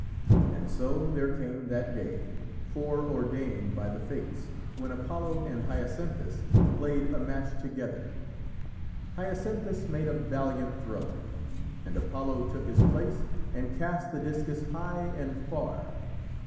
And so there came that day, fore ordained by the Fates, when Apollo and Hyacinthus played a match together. Hyacinthus made a valiant throw, and Apollo took his place, and cast the discus high and far.